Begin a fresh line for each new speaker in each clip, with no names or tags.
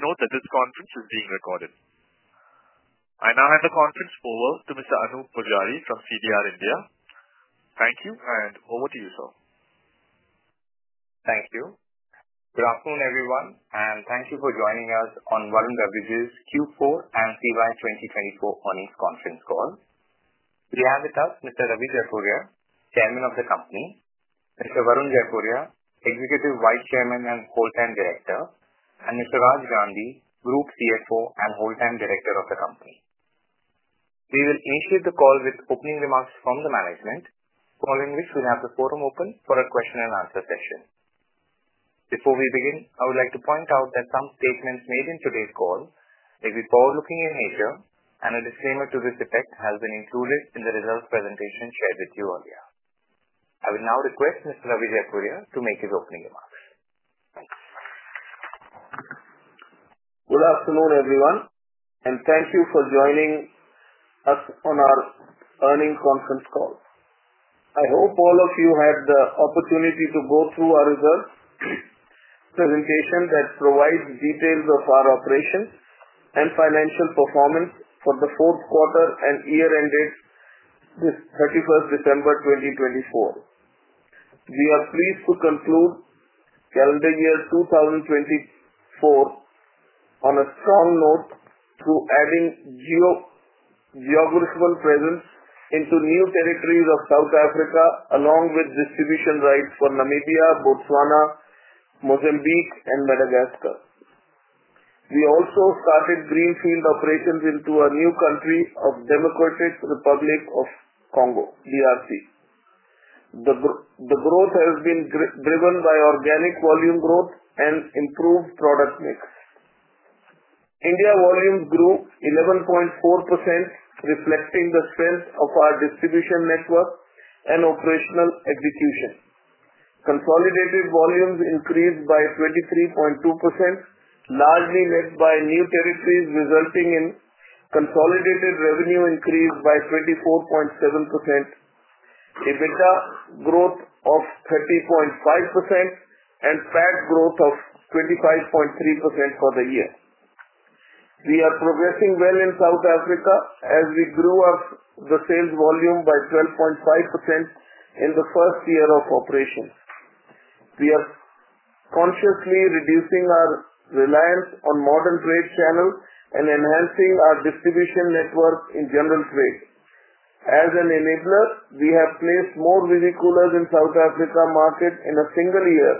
Note that this conference is being recorded. I now hand the conference over to Mr. Anoop Poojari from CDR India. Thank you, and over to you, sir.
Thank you. Good afternoon, everyone, and thank you for joining us on Varun Beverages Q4 and CY 2024 earnings conference call. We have with us Mr. Ravi Jaipuria, Chairman of the company, Mr. Varun Jaipuria, Executive Vice Chairman and Full-Time Director, and Mr. Raj Gandhi, Group CFO and Full-Time Director of the company. We will initiate the call with opening remarks from the management, following which we'll have the floor open for a question-and-answer session. Before we begin, I would like to point out that some statements made in today's call may be forward-looking in nature, and a disclaimer to this effect has been included in the results presentation shared with you earlier. I will now request Mr. Ravi Jaipuria to make his opening remarks.
Good afternoon, everyone, and thank you for joining us on our earnings conference call. I hope all of you had the opportunity to go through our results presentation that provides details of our operations and financial performance for the fourth quarter and year ended 31st December 2024. We are pleased to conclude calendar year 2024 on a strong note through adding geographical presence into new territories of South Africa, along with distribution rights for Namibia, Botswana, Mozambique, and Madagascar. We also started greenfield operations into a new country of Democratic Republic of the Congo, DRC. The growth has been driven by organic volume growth and improved product mix. India volumes grew 11.4%, reflecting the strength of our distribution network and operational execution. Consolidated volumes increased by 23.2%, largely led by new territories, resulting in consolidated revenue increase by 24.7%, EBITDA growth of 30.5%, and PAT growth of 25.3% for the year. We are progressing well in South Africa as we grew our sales volume by 12.5% in the first year of operation. We are consciously reducing our reliance on modern trade channels and enhancing our distribution network in general trade. As an enabler, we have placed more Visi-Coolers in the South Africa market in a single year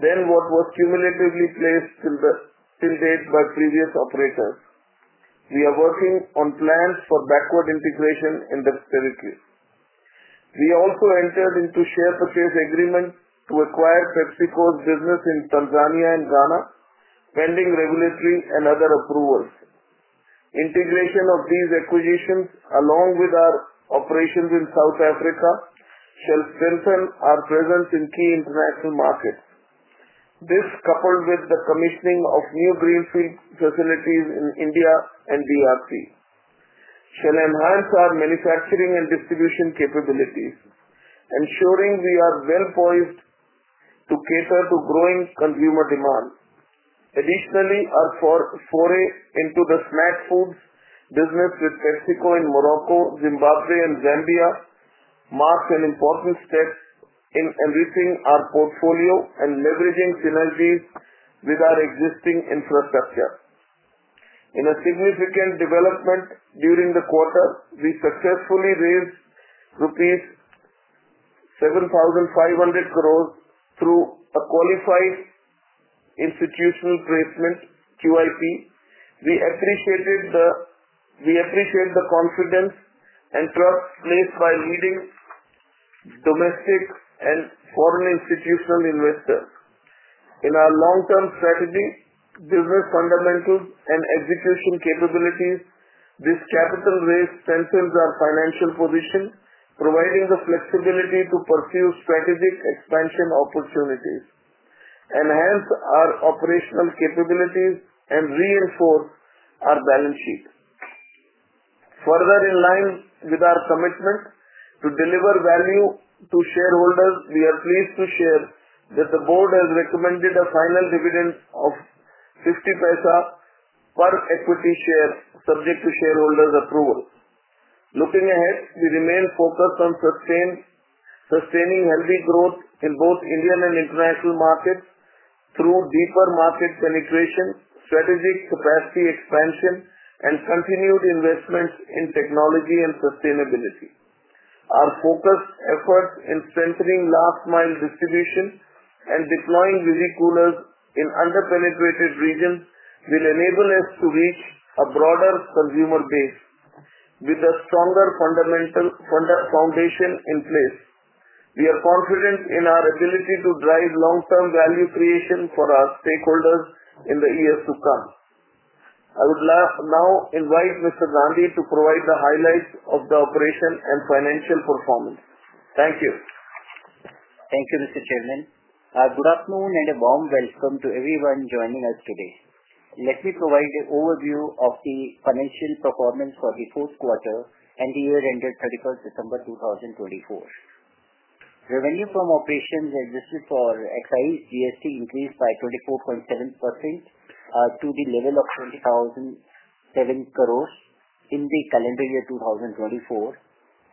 than what was cumulatively placed till date by previous operators. We are working on plans for backward integration in the territory. We also entered into a share purchase agreement to acquire PepsiCo's business in Tanzania and Ghana, pending regulatory and other approvals. Integration of these acquisitions, along with our operations in South Africa, shall strengthen our presence in key international markets. This, coupled with the commissioning of new greenfield facilities in India and DRC, shall enhance our manufacturing and distribution capabilities, ensuring we are well-poised to cater to growing consumer demand. Additionally, our foray into the snack foods business with PepsiCo in Morocco, Zimbabwe, and Zambia marks an important step in enriching our portfolio and leveraging synergies with our existing infrastructure. In a significant development during the quarter, we successfully raised rupees 7,500 crores through a qualified institutional placement, QIP. We appreciate the confidence and trust placed by leading domestic and foreign institutional investors. In our long-term strategy, business fundamentals, and execution capabilities, this capital raise strengthens our financial position, providing the flexibility to pursue strategic expansion opportunities, enhance our operational capabilities, and reinforce our balance sheet. Further, in line with our commitment to deliver value to shareholders, we are pleased to share that the board has recommended a final dividend of 50 per equity share, subject to shareholders' approval. Looking ahead, we remain focused on sustaining healthy growth in both Indian and international markets through deeper market penetration, strategic capacity expansion, and continued investments in technology and sustainability. Our focused efforts in strengthening last-mile distribution and deploying Visi-Coolers in under-penetrated regions will enable us to reach a broader consumer base with a stronger foundation in place. We are confident in our ability to drive long-term value creation for our stakeholders in the years to come. I would now invite Mr. Gandhi to provide the highlights of the operation and financial performance. Thank you.
Thank you, Mr. Chairman. Good afternoon and a warm welcome to everyone joining us today. Let me provide an overview of the financial performance for the fourth quarter and the year ended 31st December 2024. Revenue from operations, net of excise and GST, increased by 24.7% to the level of 20,007 crores in the calendar year 2024,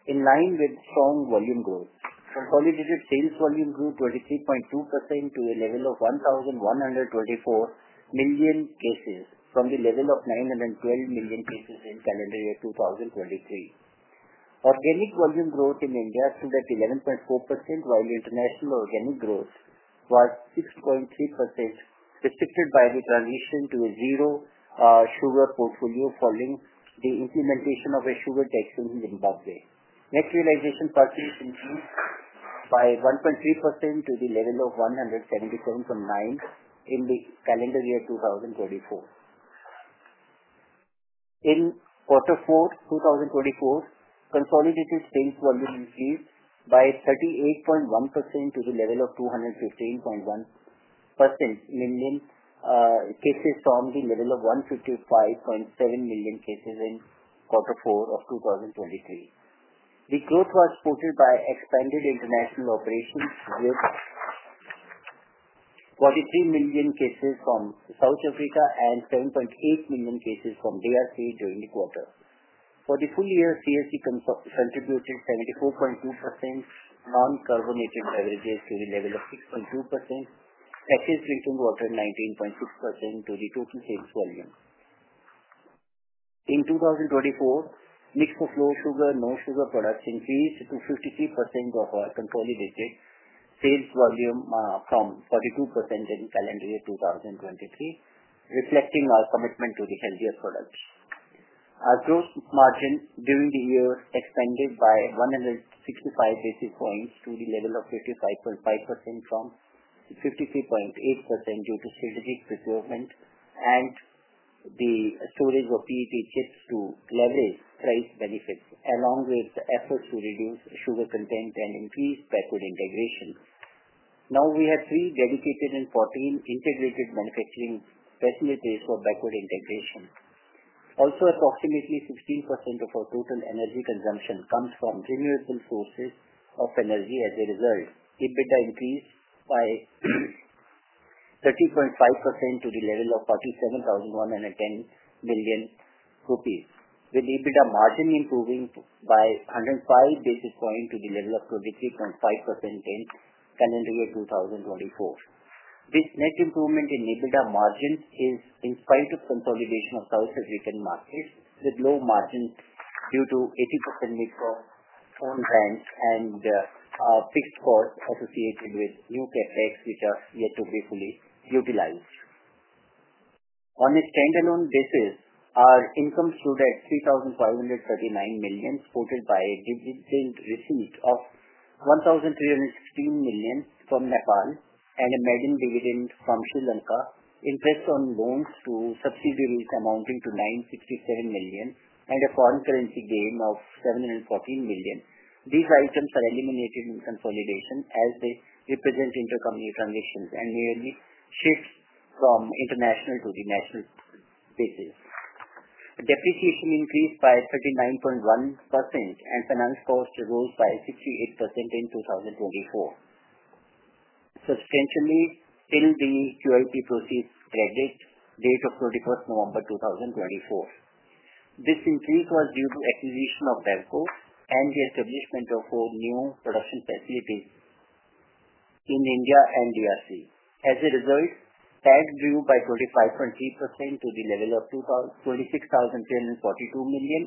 in line with strong volume growth. Consolidated sales volume grew 23.2% to a level of 1,124 million cases from the level of 912 million cases in calendar year 2023. Organic volume growth in India stood at 11.4%, while international organic growth was 6.3%, restricted by the transition to a zero-sugar portfolio following the implementation of a sugar tax in Zimbabwe. Net realization per case increased by 1.3% to the level of 177.9 in the calendar year 2024. In quarter four, 2024, consolidated sales volume increased by 38.1% to the level of 215.1 million cases from the level of 155.7 million cases in quarter four of 2023. The growth was supported by expanded international operations with 43 million cases from South Africa and 7.8 million cases from DRC during the quarter. For the full year, CSD contributed 74.2% non-carbonated beverages to the level of 6.2%, packaged drinking water 19.6% to the total sales volume. In 2024, mix of low-sugar and no-sugar products increased to 53% of our consolidated sales volume from 42% in calendar year 2023, reflecting our commitment to the healthier products. Our gross margin during the year expanded by 165 basis points to the level of 55.5% from 53.8% due to strategic procurement and the storage of PET chips to leverage price benefits, along with efforts to reduce sugar content and increase backward integration. Now, we have three dedicated and 14 integrated manufacturing facilities for backward integration. Also, approximately 16% of our total energy consumption comes from renewable sources of energy as a result. EBITDA increased by 30.5% to the level of 47,110 million rupees, with EBITDA margin improving by 105 basis points to the level of 23.5% in calendar year 2024. This net improvement in EBITDA margin is in spite of consolidation of South African markets with low margins due to 80% mix of own brands and fixed costs associated with new CapEx, which are yet to be fully utilized. On a standalone basis, our income stood at 3,539 million, supported by a dividend receipt of 1,316 million from Nepal and a maiden dividend from Sri Lanka, interest on loans to subsidiaries amounting to 967 million, and a foreign currency gain of 714 million. These items are eliminated in consolidation as they represent intercompany transactions and merely shifts from international to the national basis. Depreciation increased by 39.1%, and finance cost rose by 68% in 2024, substantially till the QIP Proceeds Credit date of 21st November 2024. This increase was due to acquisition of BevCo and the establishment of four new production facilities in India and DRC. As a result, PAT grew by 25.3% to the level of ₹26,342 million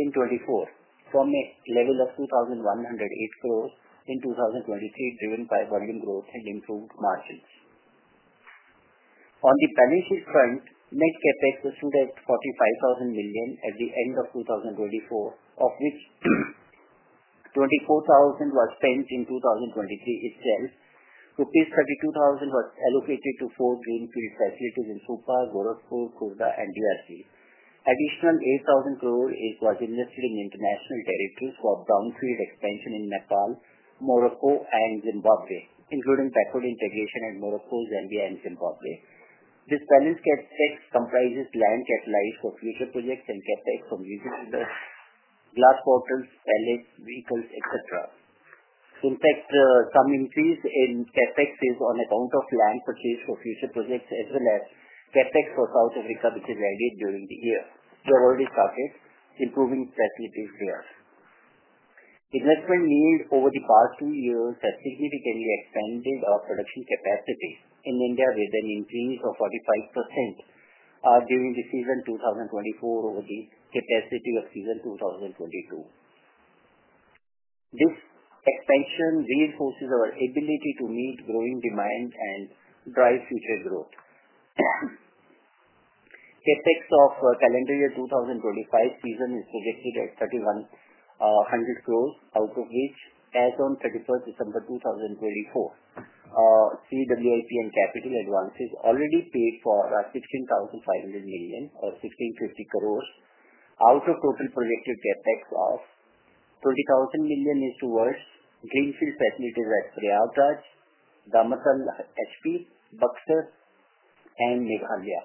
in 2024, from a level of ₹2,108 crores in 2023, driven by volume growth and improved margins. On the balance sheet front, net CapEx stood at ₹45,000 million at the end of 2024, of which ₹24,000 was spent in 2023 itself. ₹32,000 was allocated to four greenfield facilities in Supa, Gorakhpur, Khurda, and DRC. Additional 8,000 crores was invested in international territories for brownfield expansion in Nepal, Morocco, and Zimbabwe, including backward integration at Morocco, Zambia, and Zimbabwe. This balance sheet comprises land acquisitions for future projects and CapEx from using glass bottles, pallets, visi-coolers, etc. In fact, some increase in CapEx is on account of land purchase for future projects as well as CapEx for South Africa, which is added during the year. We have already started improving facilities there. Investment yield over the past two years has significantly expanded our production capacity in India with an increase of 45% during the season 2024 over the capacity of season 2022. This expansion reinforces our ability to meet growing demand and drive future growth. CapEx of calendar year 2025 season is projected at 3,100 crores, out of which, as of 31st December 2024, CWIP and capital advances already paid for are 16,500 million or 1,650 crores, out of total projected CapEx of 20,000 million is towards greenfield facilities at Prayagraj, Damtal, HP, Buxar, and Meghalaya.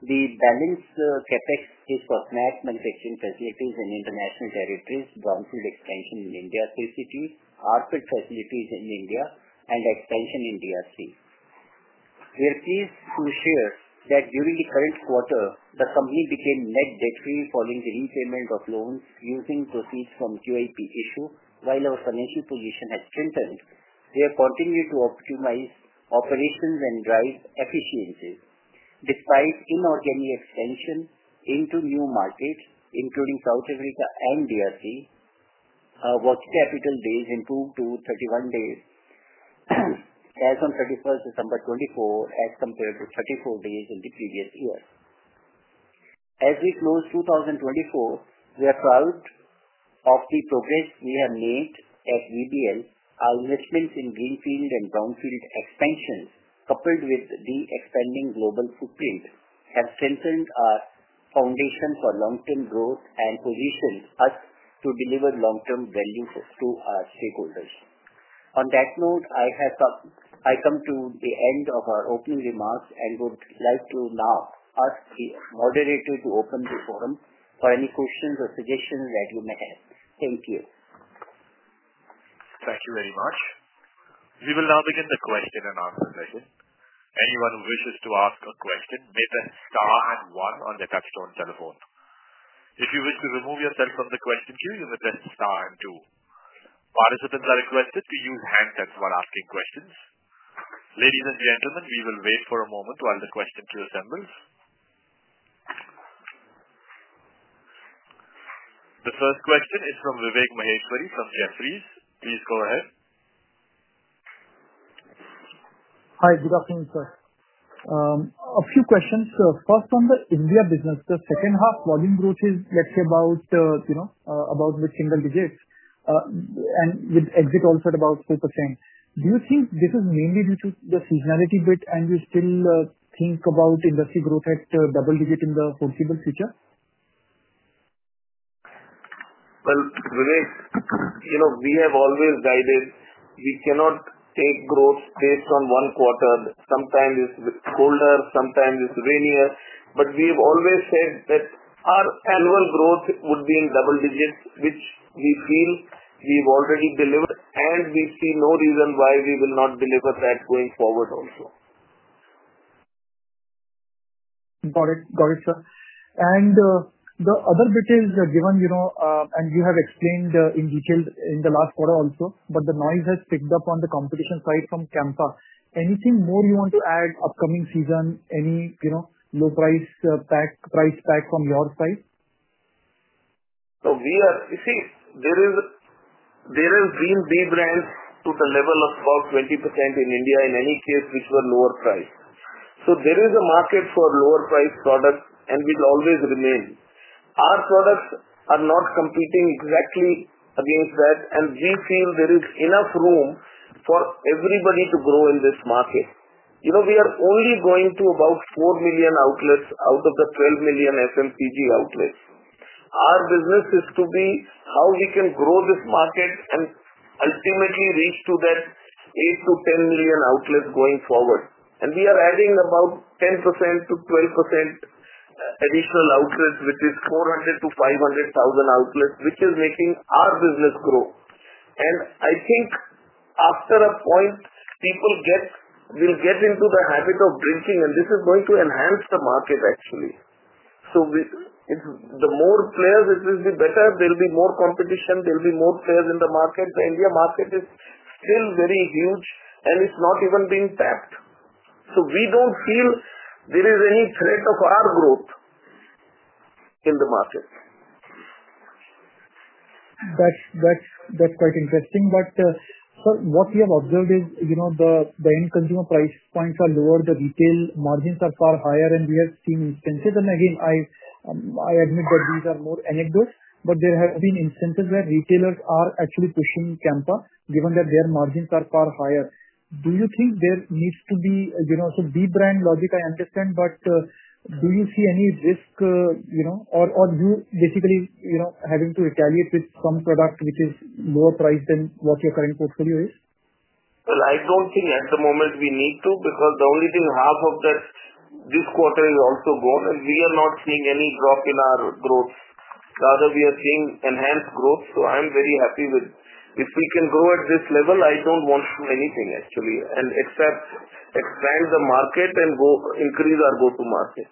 The balance CapEx is for snack manufacturing facilities in international territories, brownfield expansion in India 3 cities, HoReCa facilities in India, and expansion in DRC. We are pleased to share that during the current quarter, the company became net debt-free following the repayment of loans using proceeds from QIP issue, while our financial position has strengthened. We have continued to optimize operations and drive efficiencies. Despite inorganic expansion into new markets, including South Africa and DRC, our working capital days improved to 31 days as of 31st December 2024, as compared to 34 days in the previous year. As we close 2024, we are proud of the progress we have made at VBL. Our investments in greenfield and brownfield expansions, coupled with the expanding global footprint, have strengthened our foundation for long-term growth and positioned us to deliver long-term value to our stakeholders. On that note, I come to the end of our opening remarks and would like to now ask the moderator to open the forum for any questions or suggestions that you may have. Thank you.
Thank you very much. We will now begin the question and answer session. Anyone who wishes to ask a question may press star and one on the touch-tone telephone. If you wish to remove yourself from the question queue, you may press star and two. Participants are requested to use handsets while asking questions. Ladies and gentlemen, we will wait for a moment while the question queue assembles. The first question is from Vivek Maheshwari from Jefferies. Please go ahead.
Hi, good afternoon, sir. A few questions. First on the India business, the second half volume growth is, let's say, about with single digits and with exit also at about 4%. Do you think this is mainly due to the seasonality bit, and you still think about industry growth at double digit in the foreseeable future?
Vivek, we have always guided we cannot take growth based on one quarter. Sometimes it's colder, sometimes it's rainier. But we have always said that our annual growth would be in double digits, which we feel we've already delivered, and we see no reason why we will not deliver that going forward also.
Got it, got it, sir, and the other bit is, given and you have explained in detail in the last quarter also, but the noise has picked up on the competition side from Campa. Anything more you want to add upcoming season? Any low-price pack from your side?
So we are, you see, there have been B brands to the level of about 20% in India in any case, which were lower priced. So there is a market for lower-priced products, and we'll always remain. Our products are not competing exactly against that, and we feel there is enough room for everybody to grow in this market. We are only going to about 4 million outlets out of the 12 million FMCG outlets. Our business is to be how we can grow this market and ultimately reach to that 8-10 million outlets going forward. And we are adding about 10%-12% additional outlets, which is 400-500,000 outlets, which is making our business grow. And I think after a point, people will get into the habit of drinking, and this is going to enhance the market, actually. So the more players it is, the better. There will be more competition. There will be more players in the market. The India market is still very huge, and it's not even being tapped. So we don't feel there is any threat of our growth in the market.
That's quite interesting. But what we have observed is the end consumer price points are lower, the retail margins are far higher, and we have seen incentives. And again, I admit that these are more anecdotal, but there have been incentives where retailers are actually pushing Campa, given that their margins are far higher. Do you think there needs to be some B-brand logic? I understand, but do you see any risk or you basically having to retaliate with some product which is lower priced than what your current portfolio is?
I don't think at the moment we need to because the only thing half of that this quarter is also gone, and we are not seeing any drop in our growth. Rather, we are seeing enhanced growth. So I'm very happy with if we can grow at this level, I don't want to do anything, actually, and expand the market and increase our go-to market.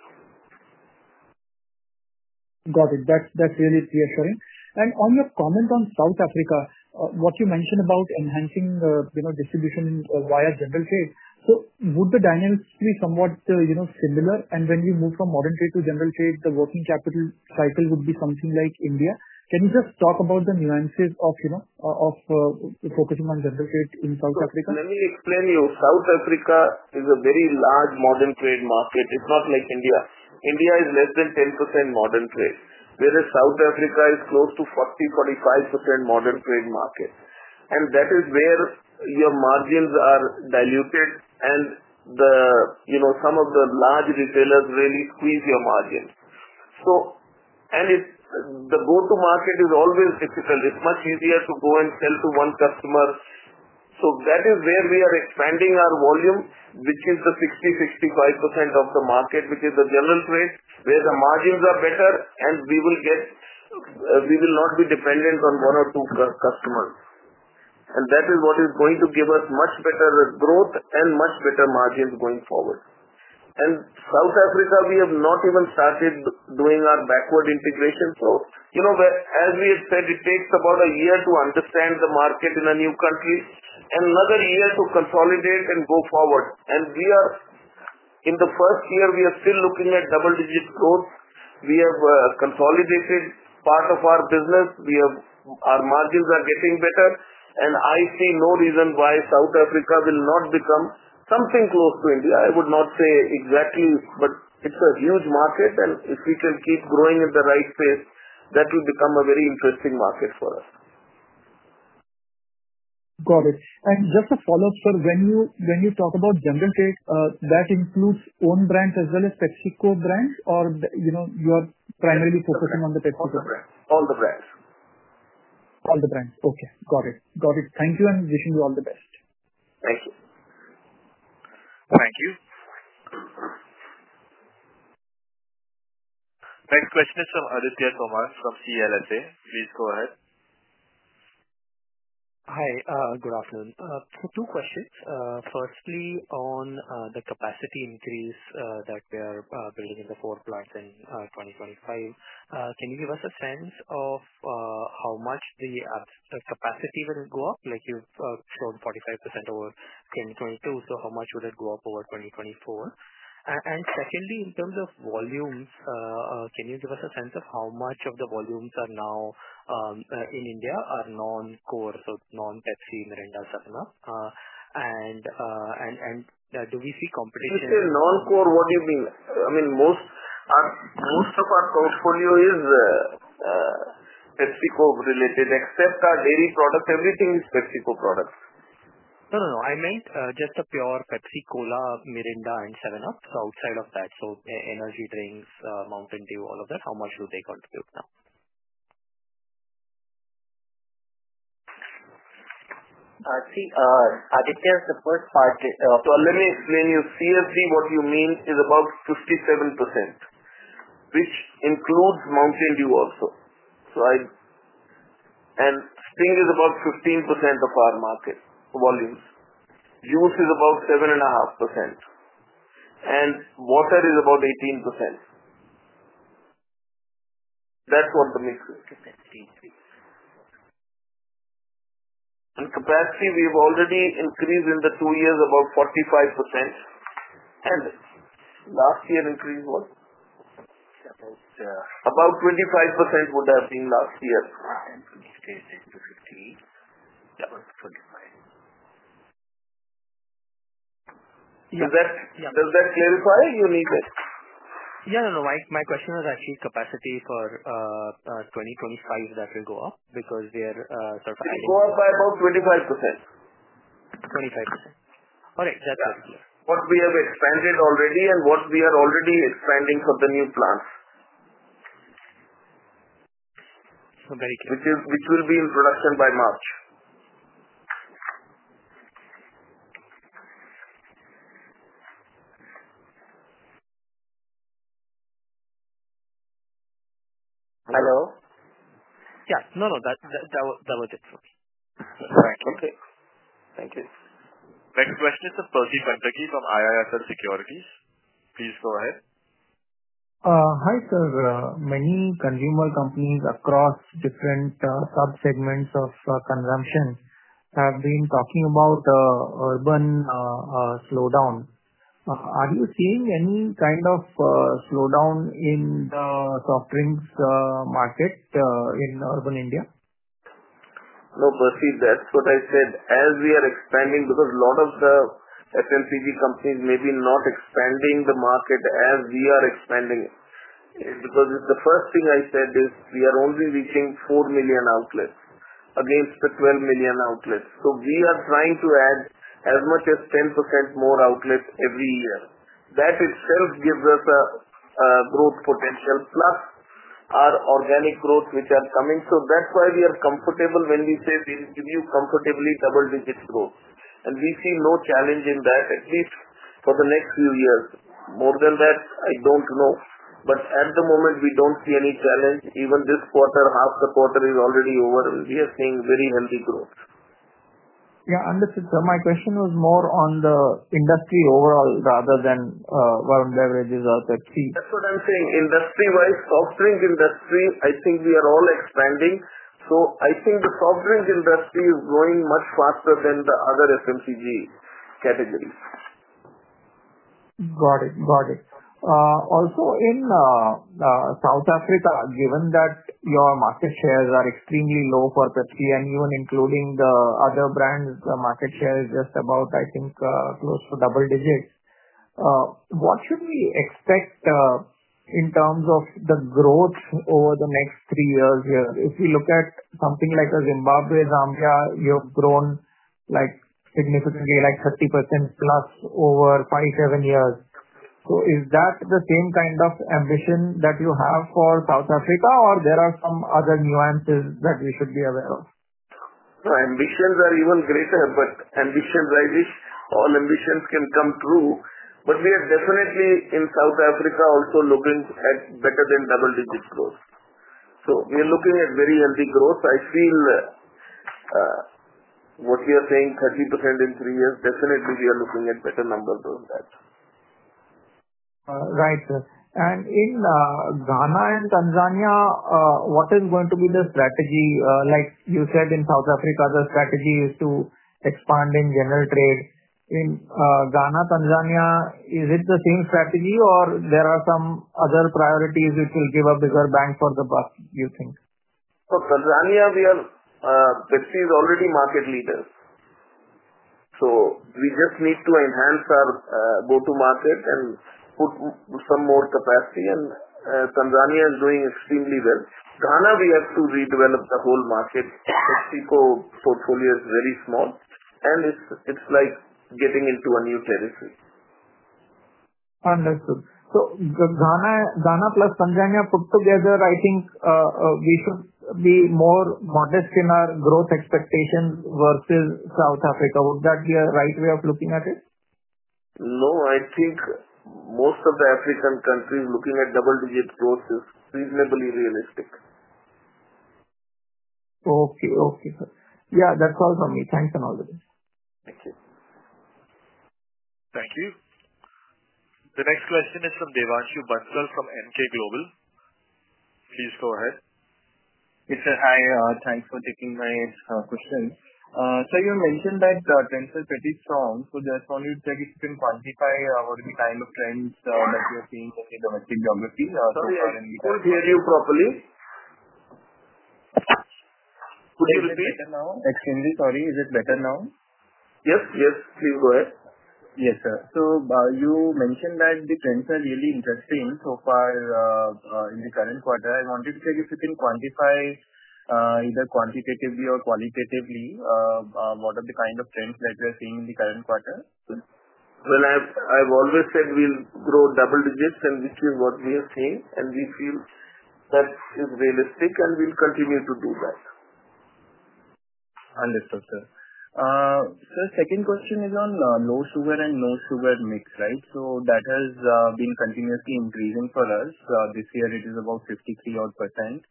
Got it. That's really reassuring. And on your comment on South Africa, what you mentioned about enhancing distribution via general trade, so would the dynamics be somewhat similar? And when you move from modern trade to general trade, the working capital cycle would be something like India. Can you just talk about the nuances of focusing on general trade in South Africa?
Let me explain. South Africa is a very large modern trade market. It's not like India. India is less than 10% modern trade, whereas South Africa is close to 40%-45% modern trade market. And that is where your margins are diluted, and some of the large retailers really squeeze your margins. And the go-to market is always difficult. It's much easier to go and sell to one customer. So that is where we are expanding our volume, which is the 60%-65% of the market, which is the general trade, where the margins are better, and we will not be dependent on one or two customers. And that is what is going to give us much better growth and much better margins going forward. And South Africa, we have not even started doing our backward integration. So as we have said, it takes about a year to understand the market in a new country and another year to consolidate and go forward. And in the first year, we are still looking at double-digit growth. We have consolidated part of our business. Our margins are getting better, and I see no reason why South Africa will not become something close to India. I would not say exactly, but it's a huge market, and if we can keep growing at the right pace, that will become a very interesting market for us.
Got it. And just a follow-up, sir, when you talk about general trade, that includes own brands as well as PepsiCo brands, or you are primarily focusing on the PepsiCo brands?
All the brands.
All the brands. Okay. Got it. Got it. Thank you, and wishing you all the best.
Thank you.
Thank you. Next question is from Aditya Soman from CLSA. Please go ahead.
Hi, good afternoon. So two questions. Firstly, on the capacity increase that we are building in the four plants in 2025, can you give us a sense of how much the capacity will go up? You've shown 45% over 2022, so how much would it go up over 2024? And secondly, in terms of volumes, can you give us a sense of how much of the volumes are now in India are non-core, so non-Pepsi, Mirinda, 7Up, and do we see competition?
When you say non-core, what do you mean? I mean, most of our portfolio is PepsiCo related, except our dairy products. Everything is PepsiCo products.
No, no, no. I meant just the pure Pepsi, Cola, Mirinda, and 7Up, so outside of that, so energy drinks, Mountain Dew, all of that, how much do they contribute now?
See, Aditya, the first part. So let me explain you. CSD, what you mean is about 57%, which includes Mountain Dew also. And Sting is about 15% of our market volumes. Juice is about 7.5%. And water is about 18%. That's what the mix is. And capacity, we have already increased in the two years about 45%. And last year increased what? About 25% would have been last year. From 68 to 58, that was 25. Does that clarify? You need it.
Yeah, no, no. My question was actually capacity for 2025 that will go up because we are surviving.
It will go up by about 25%.
25%. All right. That's very clear.
What we have expanded already and what we are already expanding for the new plants.
So, very clear.
Which will be in production by March.
Hello?
Yeah. No, no. That was it for me.
Thank you.
Okay. Thank you.
Next question is from Percy Panthaki from IIFL Securities. Please go ahead.
Hi, sir. Many consumer companies across different subsegments of consumption have been talking about urban slowdown. Are you seeing any kind of slowdown in the soft drinks market in urban India?
No, Percy, that's what I said. As we are expanding, because a lot of the FMCG companies may be not expanding the market as we are expanding. Because the first thing I said is we are only reaching four million outlets against the 12 million outlets. So we are trying to add as much as 10% more outlets every year. That itself gives us a growth potential, plus our organic growth which are coming. So that's why we are comfortable when we say we give you comfortably double-digit growth, and we see no challenge in that, at least for the next few years. More than that, I don't know, but at the moment, we don't see any challenge. Even this quarter, half the quarter is already over, and we are seeing very healthy growth.
Yeah. Understood. So my question was more on the industry overall rather than beverages or Pepsi.
That's what I'm saying. Industry-wise, soft drink industry, I think we are all expanding. So I think the soft drink industry is growing much faster than the other FMCG categories.
Got it. Got it. Also in South Africa, given that your market shares are extremely low for Pepsi and even including the other brands, the market share is just about, I think, close to double digits. What should we expect in terms of the growth over the next three years here? If we look at something like Zimbabwe, Zambia, you have grown significantly, like 30% plus over five, seven years. So is that the same kind of ambition that you have for South Africa, or there are some other nuances that we should be aware of?
So ambitions are even greater, but ambition, I wish all ambitions can come true. But we are definitely in South Africa also looking at better than double-digit growth. So we are looking at very healthy growth. I feel what you are saying, 30% in three years, definitely we are looking at better numbers than that.
Right, sir. And in Ghana and Tanzania, what is going to be the strategy? Like you said, in South Africa, the strategy is to expand in general trade. In Ghana, Tanzania, is it the same strategy, or there are some other priorities which will give a bigger bang for the buck, you think?
For Tanzania, we are. Pepsi is already market leader. So we just need to enhance our go-to market and put some more capacity. And Tanzania is doing extremely well. Ghana, we have to redevelop the whole market. PepsiCo portfolio is very small, and it's like getting into a new territory.
Understood. So Ghana plus Tanzania put together, I think we should be more modest in our growth expectations versus South Africa. Would that be a right way of looking at it?
No, I think most of the African countries looking at double-digit growth is reasonably realistic.
Okay. Okay, sir. Yeah, that's all from me. Thanks a lot.
Thank you.
Thank you. The next question is from Devanshu Bansal from Emkay Global. Please go ahead.
Yes, sir. Hi. Thanks for taking my question. So you mentioned that trends are pretty strong. So just wanted to check if you can quantify what are the kind of trends that you are seeing in the domestic geography.
Sorry. I couldn't hear you properly.
Is it better now? Excuse me. Sorry. Is it better now?
Yes. Yes. Please go ahead.
Yes, sir. So you mentioned that the trends are really interesting so far in the current quarter. I wanted to check if you can quantify either quantitatively or qualitatively what are the kind of trends that we are seeing in the current quarter.
I've always said we'll grow double digits, and which is what we are seeing. We feel that is realistic, and we'll continue to do that.
Understood, sir. So the second question is on low sugar and no sugar mix, right? So that has been continuously increasing for us. This year, it is about 53 odd %.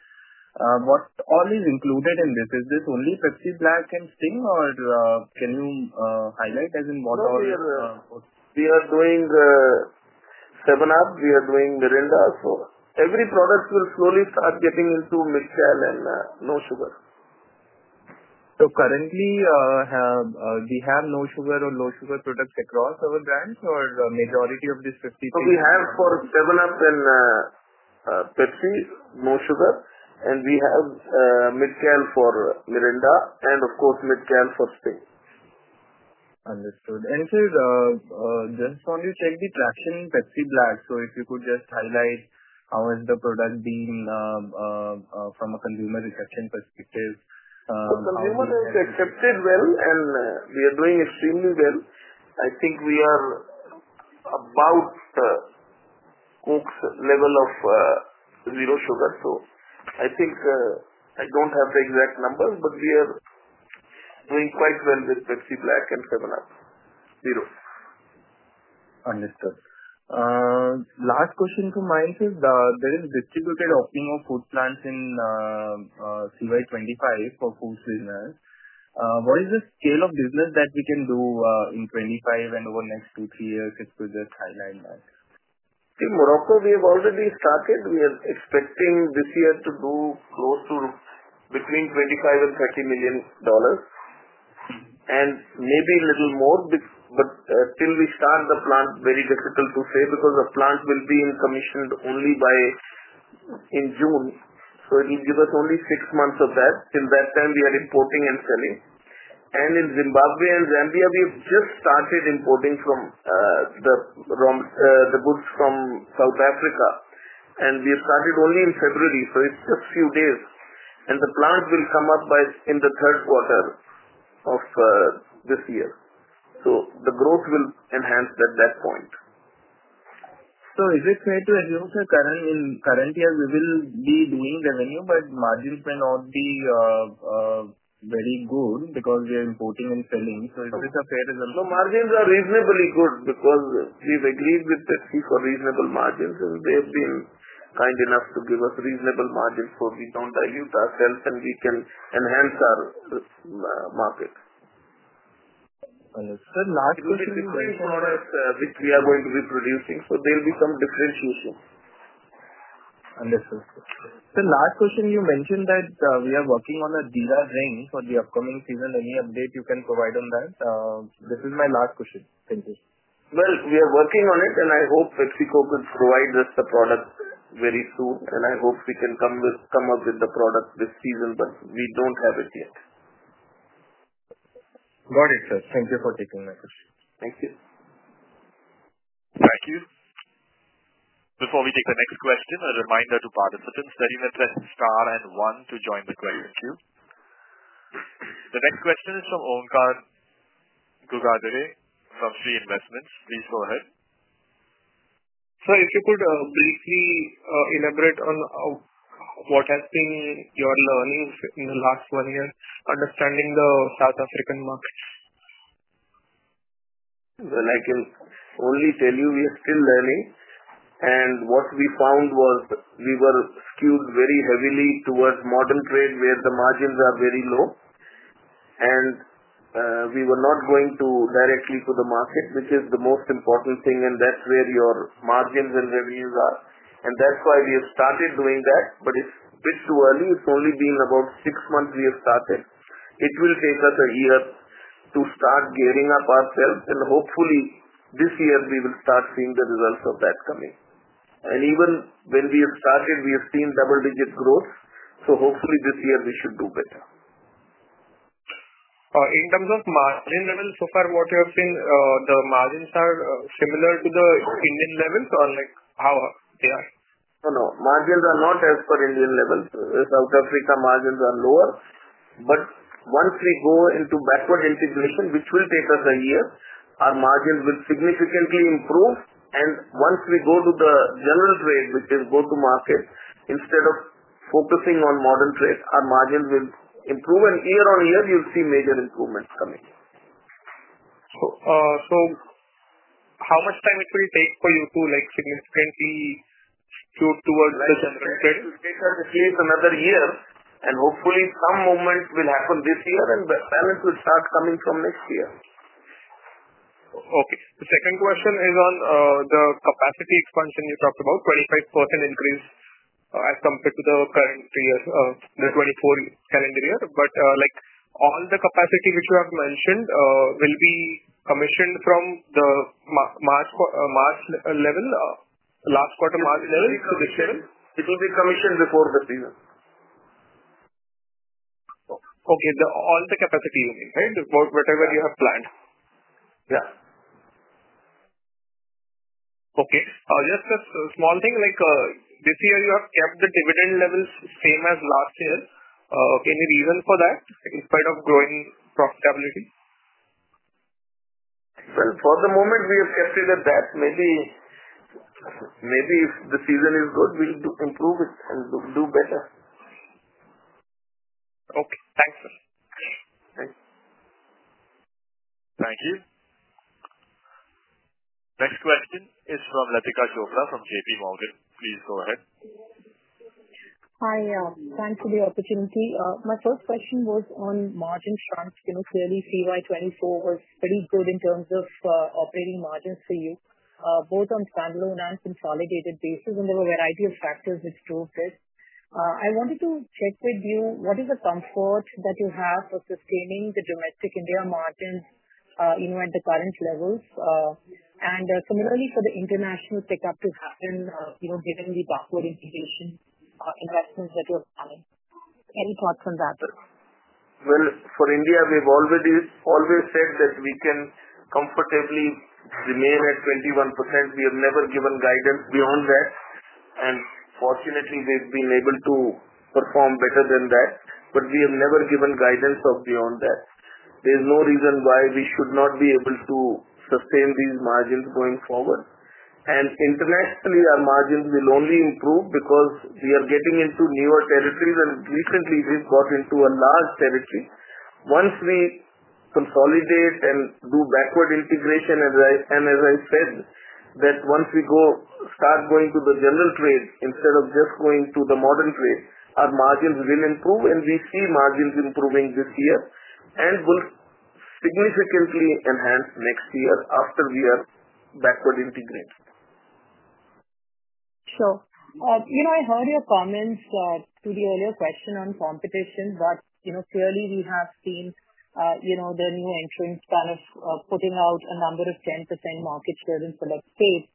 What all is included in this? Is this only Pepsi Black and Sting, or can you highlight as in what all is included?
We are doing 7Up. We are doing Mirinda, so every product will slowly start getting into Mid-Cal and no sugar.
So currently, do we have no sugar or low sugar products across our brands, or majority of this 53?
So we have for 7Up and Pepsi, no sugar. And we have Mid-Cal for Mirinda and, of course, Mid-Cal for Sting.
Understood. And sir, just want to check the traction in Pepsi Black. So if you could just highlight how has the product been from a consumer reception perspective?
Consumer has accepted well, and we are doing extremely well. I think we are about Coke's level of zero sugar. I think I don't have the exact numbers, but we are doing quite well with Pepsi Black and 7Up Zero.
Understood. Last question to mind is there is distributed opening of food plants in CY25 for food business. What is the scale of business that we can do in 25 and over the next two, three years? If you could just highlight that.
See, Morocco, we have already started. We are expecting this year to do close to between $25 million and $30 million, and maybe a little more. But till we start the plant, very difficult to say because the plant will be commissioned only in June. So it will give us only six months of that. Till that time, we are importing and selling. And in Zimbabwe and Zambia, we have just started importing the goods from South Africa. And we have started only in February, so it's just a few days. And the plant will come up in the third quarter of this year. So the growth will enhance at that point.
So is it fair to assume, sir, current year we will be doing revenue, but margins may not be very good because we are importing and selling? So is this a fair assumption?
Margins are reasonably good because we've agreed with Pepsi for reasonable margins. They have been kind enough to give us reasonable margins so we don't dilute ourselves and we can enhance our market.
Understood. Last question.
It will be different products which we are going to be producing, so there will be some differentiation.
Understood. Sir, last question. You mentioned that we are working on a Dairy for the upcoming season. Any update you can provide on that? This is my last question. Thank you.
We are working on it, and I hope PepsiCo could provide us the product very soon. I hope we can come up with the product this season, but we don't have it yet.
Got it, sir. Thank you for taking my question.
Thank you.
Thank you. Before we take the next question, a reminder to participants that you may press star and one to join the question queue. The next question is from Omkar Ghugardare from Shree Investments. Please go ahead.
Sir, if you could briefly elaborate on what has been your learnings in the last one year understanding the South African markets?
I can only tell you we are still learning. What we found was we were skewed very heavily towards modern trade where the margins are very low. We were not going directly to the market, which is the most important thing, and that's where your margins and revenues are. That's why we have started doing that, but it's a bit too early. It's only been about six months we have started. It will take us a year to start gearing up ourselves. Hopefully, this year, we will start seeing the results of that coming. Even when we have started, we have seen double-digit growth. Hopefully, this year, we should do better.
In terms of margin level, so far, what you have seen, the margins are similar to the Indian levels, or how they are?
No, no. Margins are not as per Indian levels. South Africa margins are lower. But once we go into backward integration, which will take us a year, our margins will significantly improve. And once we go to the general trade, which is go-to-market, instead of focusing on modern trade, our margins will improve. And year on year, you'll see major improvements coming.
How much time it will take for you to significantly skew towards the general trade?
It will take us at least another year, and hopefully, some movement will happen this year, and balance will start coming from next year.
Okay. The second question is on the capacity expansion you talked about, 25% increase as compared to the current year, the 2024 calendar year. But all the capacity which you have mentioned will be commissioned from the March level, last quarter March level to this year?
It will be commissioned before the season.
Okay. All the capacity remaining, right? Whatever you have planned.
Yeah.
Okay. Just a small thing. This year, you have kept the dividend levels same as last year. Any reason for that in spite of growing profitability?
For the moment, we have kept it at that. Maybe if the season is good, we'll improve it and do better.
Okay. Thanks, sir.
Thank you.
Thank you. Next question is from Lathika Chopra from J.P. Morgan. Please go ahead.
Hi. Thanks for the opportunity. My first question was on margin strength. Clearly, CY24 was pretty good in terms of operating margins for you, both on standalone and consolidated basis. And there were a variety of factors which drove this. I wanted to check with you, what is the comfort that you have for sustaining the domestic India margins at the current levels? And similarly, for the international pickup to happen given the backward integration investments that you're planning, any thoughts on that?
For India, we've always said that we can comfortably remain at 21%. We have never given guidance beyond that, and fortunately, we've been able to perform better than that, but we have never given guidance beyond that. There's no reason why we should not be able to sustain these margins going forward, and internationally, our margins will only improve because we are getting into newer territories, and recently, we've got into a large territory. Once we consolidate and do backward integration, and as I said, that once we start going to the general trade instead of just going to the modern trade, our margins will improve, and we see margins improving this year and will significantly enhance next year after we are backward integrated.
Sure. I heard your comments to the earlier question on competition, but clearly, we have seen the new entrants kind of putting out a number of 10% market share in select states.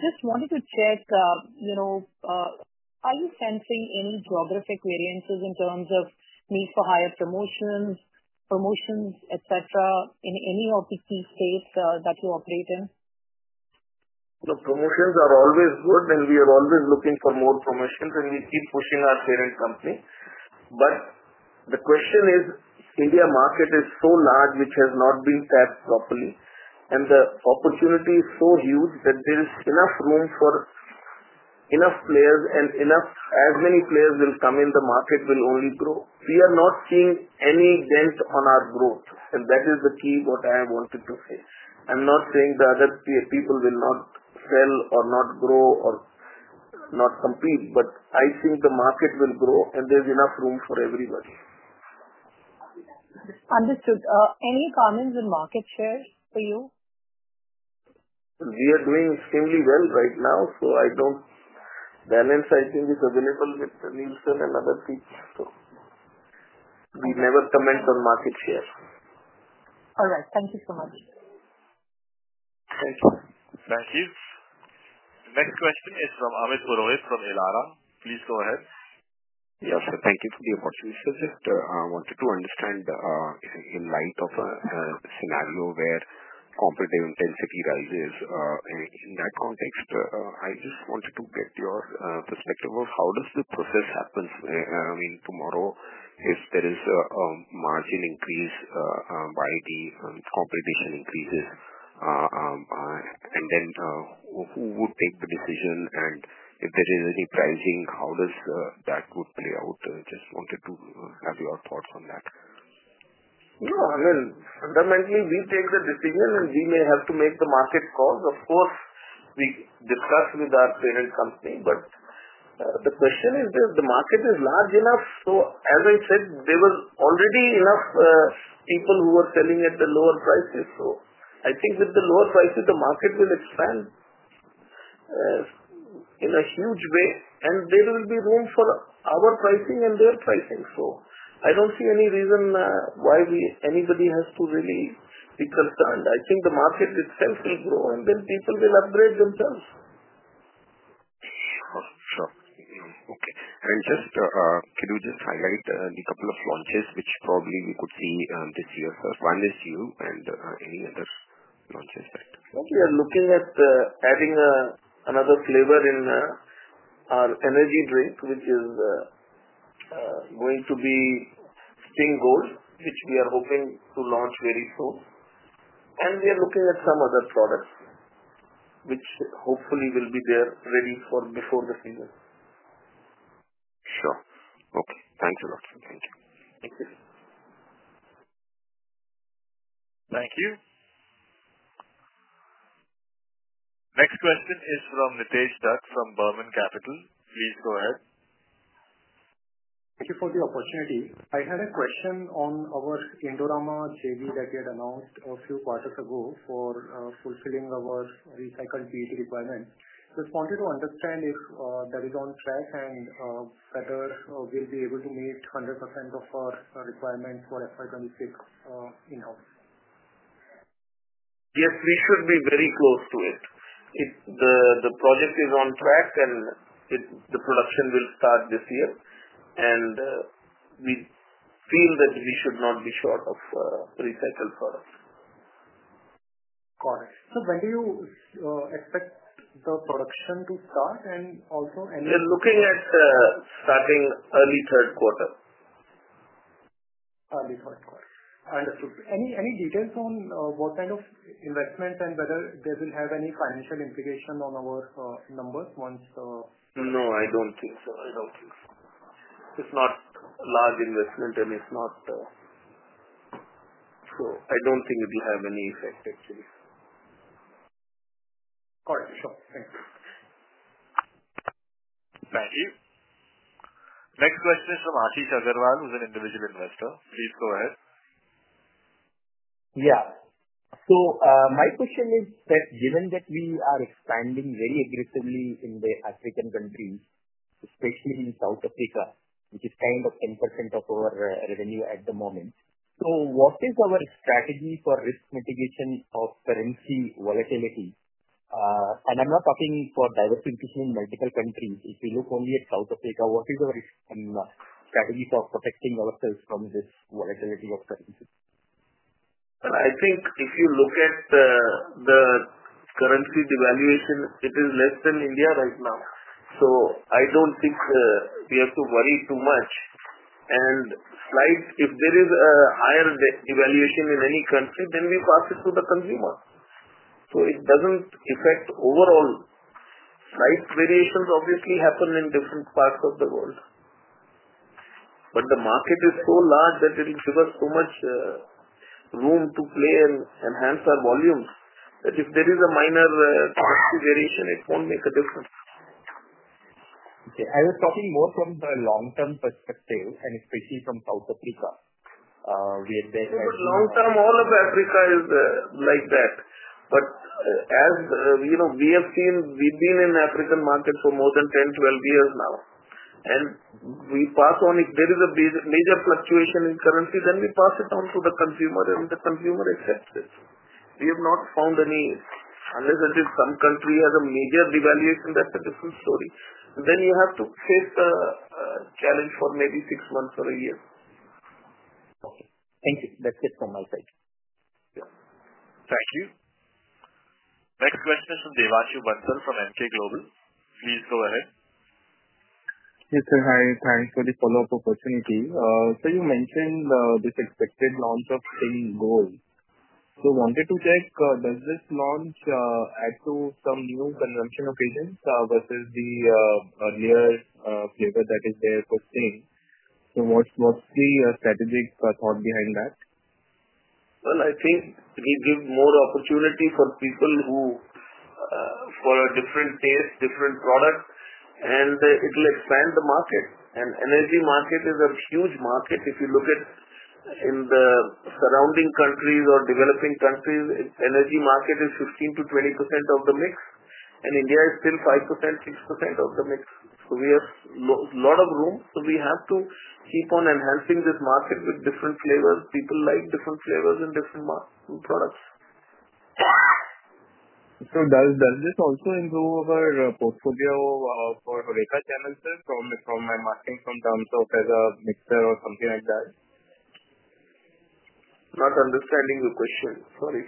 Just wanted to check, are you sensing any geographic variances in terms of need for higher promotions, etc., in any of the key states that you operate in?
The promotions are always good, and we are always looking for more promotions, and we keep pushing our parent company. But the question is, India market is so large which has not been tapped properly. And the opportunity is so huge that there is enough room for enough players, and as many players will come in, the market will only grow. We are not seeing any dent on our growth. And that is the key what I wanted to say. I'm not saying the other people will not sell or not grow or not compete, but I think the market will grow, and there's enough room for everybody.
Understood. Any comments on market share for you?
We are doing extremely well right now, so I don't know. I think it's available with Nielsen and other people. So we never comment on market share.
All right. Thank you so much.
Thank you.
Thank you. The next question is from Amit Purohit from Elara. Please go ahead.
Yes, sir. Thank you for the opportunity, sir. Just wanted to understand, in light of a scenario where competitive intensity rises, in that context, I just wanted to get your perspective of how does the process happen? I mean, tomorrow, if there is a margin increase by the competition increases, and then who would take the decision? And if there is any pricing, how does that play out? Just wanted to have your thoughts on that.
No. I mean, fundamentally, we take the decision, and we may have to make the market calls. Of course, we discuss with our parent company. But the question is, the market is large enough. So as I said, there were already enough people who were selling at the lower prices. So I think with the lower prices, the market will expand in a huge way, and there will be room for our pricing and their pricing. So I don't see any reason why anybody has to really be concerned. I think the market itself will grow, and then people will upgrade themselves.
Sure. Okay. And can you just highlight the couple of launches which probably we could see this year? One is 7Up and any other launches that.
We are looking at adding another flavor in our energy drink, which is going to be Sting Gold, which we are hoping to launch very soon. We are looking at some other products which hopefully will be there ready before the season.
Sure. Okay. Thank you, Lathika. Thank you.
Thank you.
Thank you. Next question is from Nitesh Dutt from Burman Capital. Please go ahead.
Thank you for the opportunity. I had a question on our Indorama JV that you had announced a few quarters ago for fulfilling our recycled PET requirements. Just wanted to understand if that is on track and whether we'll be able to meet 100% of our requirements for FY26 in-house?
Yes, we should be very close to it. The project is on track, and the production will start this year. And we feel that we should not be short of recycled products.
Got it. So when do you expect the production to start? And also, any?
We are looking at starting early third quarter.
Early third quarter. Understood. Any details on what kind of investments and whether they will have any financial implication on our numbers once?
No, I don't think so. I don't think so. It's not a large investment, and it's not so I don't think it will have any effect, actually.
Got it. Sure. Thank you.
Thank you. Next question is from Ashish Agarwal, who's an individual investor. Please go ahead.
Yeah. So my question is that given that we are expanding very aggressively in the African countries, especially in South Africa, which is kind of 10% of our revenue at the moment, so what is our strategy for risk mitigation of currency volatility? And I'm not talking for diversification in multiple countries. If we look only at South Africa, what is our strategy for protecting ourselves from this volatility of currency?
I think if you look at the currency devaluation, it is less than India right now. So I don't think we have to worry too much. And if there is a higher devaluation in any country, then we pass it to the consumer. So it doesn't affect overall. Slight variations obviously happen in different parts of the world. But the market is so large that it will give us so much room to play and enhance our volumes that if there is a minor currency variation, it won't make a difference.
Okay. I was talking more from the long-term perspective, and especially from South Africa, where there has been.
Long term, all of Africa is like that. But as we have seen, we've been in the African market for more than 10, 12 years now. And we pass on if there is a major fluctuation in currency, then we pass it on to the consumer, and the consumer accepts it. We have not found any unless some country has a major devaluation, that's a different story. Then you have to face a challenge for maybe six months or a year.
Okay. Thank you. That's it from my side.
Yeah.
Thank you. Next question is from Devanshu Bansal from Emkay Global. Please go ahead.
Yes, sir. Hi. Thanks for the follow-up opportunity. So you mentioned this expected launch of Sting Gold. So wanted to check, does this launch add to some new consumption occasions versus the earlier flavor that is there for Sting? So what's the strategic thought behind that?
I think it will give more opportunity for people for a different taste, different product, and it will expand the market. Energy market is a huge market. If you look at in the surrounding countries or developing countries, energy market is 15%-20% of the mix. India is still 5%-6% of the mix. We have a lot of room. We have to keep on enhancing this market with different flavors. People like different flavors and different products.
So does this also improve our portfolio for HoReCa channels, sir, from marketing terms of as a mixer or something like that?
Not understanding your question. Sorry.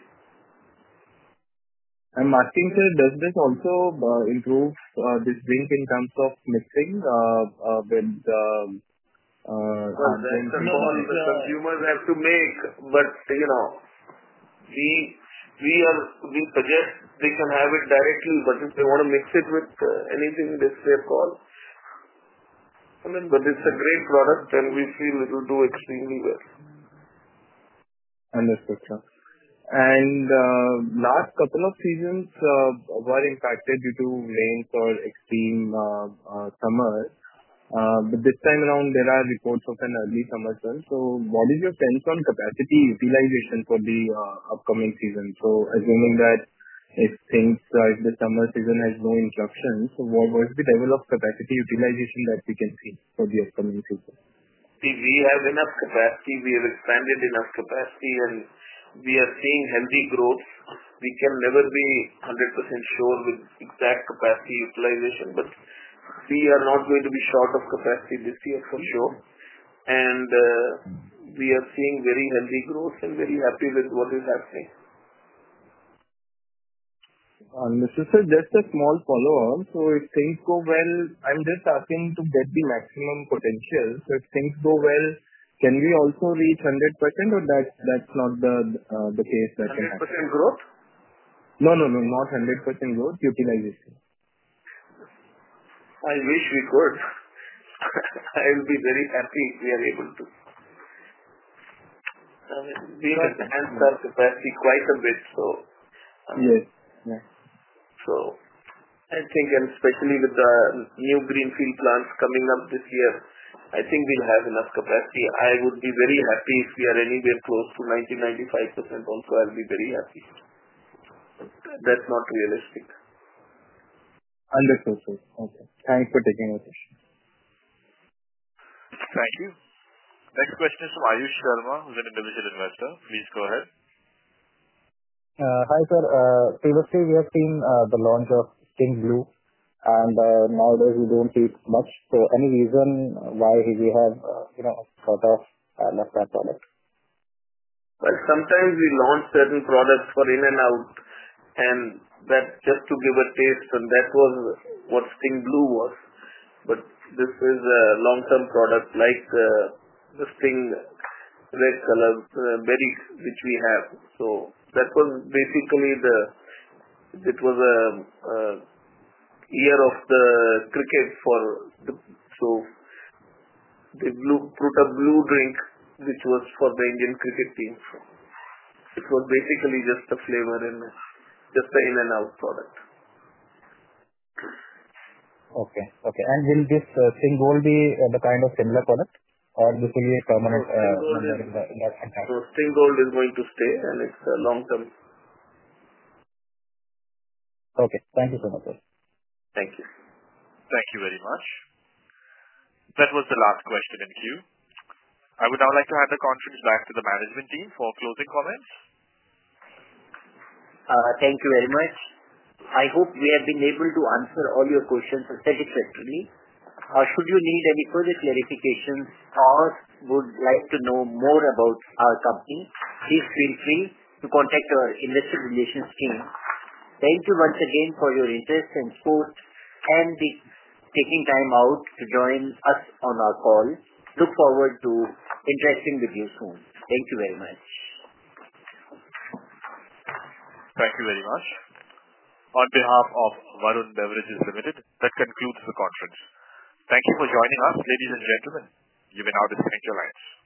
Marketing, sir, does this also improve this drink in terms of mixing with?
That's not what the consumers have to make. But we suggest they can have it directly. But if they want to mix it with anything, they're called. But it's a great product, and we feel it will do extremely well.
Understood. Sure. And last couple of seasons were impacted due to rains or extreme summers. But this time around, there are reports of an early summer turn. So what is your sense on capacity utilization for the upcoming season? So assuming that if the summer season has no interruptions, what would be the level of capacity utilization that we can see for the upcoming season?
See, we have enough capacity. We have expanded enough capacity, and we are seeing healthy growth. We can never be 100% sure with exact capacity utilization. But we are not going to be short of capacity this year for sure. And we are seeing very healthy growth and very happy with what is happening.
And Mr. Sir, just a small follow-up. So if things go well, I'm just asking to get the maximum potential. So if things go well, can we also reach 100%, or that's not the case that can happen?
100% growth? No, no, no. Not 100% growth utilization. I wish we could. I will be very happy if we are able to. We have enhanced our capacity quite a bit, so. Yes. Yeah. So I think, and especially with the new greenfield plants coming up this year, I think we'll have enough capacity. I would be very happy if we are anywhere close to 90%-95%. Also, I'll be very happy. That's not realistic.
Understood, sir. Okay. Thanks for taking our question.
Thank you. Next question is from Ayush Sharma, who's an individual investor. Please go ahead.
Hi, sir. Previously, we have seen the launch of Sting Blue, and nowadays, we don't see it much. So any reason why we have sort of left that product?
Sometimes we launch certain products for in and out, and that's just to give a taste. That was what Sting Blue was. This is a long-term product like the Sting red color berry which we have. That was basically it was a year of the cricket for the. They put a blue drink which was for the Indian cricket team. It was basically just the flavor and just the in and out product.
Okay. Okay. And will this Sting Gold be the kind of similar product, or this will be a permanent?
So Sting Gold is going to stay, and it's a long-term.
Okay. Thank you so much, sir.
Thank you.
Thank you very much. That was the last question in queue. I would now like to hand the conference back to the management team for closing comments.
Thank you very much. I hope we have been able to answer all your questions satisfactorily. Should you need any further clarifications or would like to know more about our company, please feel free to contact our investor relations team. Thank you once again for your interest and support and taking time out to join us on our call. Look forward to interacting with you soon. Thank you very much.
Thank you very much. On behalf of Varun Beverages Limited, that concludes the conference. Thank you for joining us, ladies and gentlemen. You may now disconnect your lines.